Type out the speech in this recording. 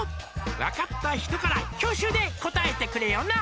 「分かった人から挙手で答えてくれよな」